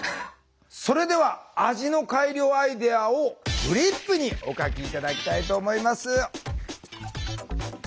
それでは味の改良アイデアをフリップにお書き頂きたいと思います。